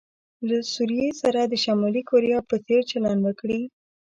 له روسيې سره د شمالي کوریا په څیر چلند وکړي.